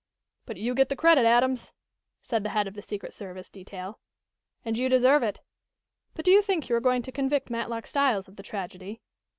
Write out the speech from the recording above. "But you get the credit, Adams," said the head of the secret service detail. "And you deserve it. But do you think you are going to convict Matlock Styles of the tragedy?"